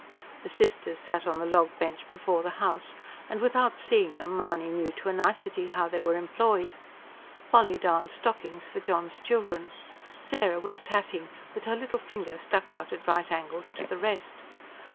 The sisters sat on the log bench before the house; and, without seeing them, Mahony knew to a nicety how they were employed. Polly darned stockings, for John's children; Sarah was tatting, with her little finger stuck out at right angles to the rest.